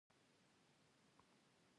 د پولیو واکسین تطبیق د حکومت ذمه واري ده